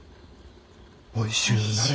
おいしゅうなれ。